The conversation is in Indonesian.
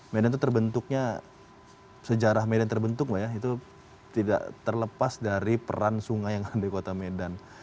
medan itu terbentuknya sejarah medan terbentuk mbak ya itu tidak terlepas dari peran sungai yang ada di kota medan